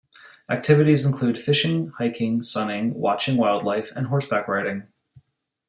Activities include fishing, hiking, sunning, watching wildlife, and horseback riding.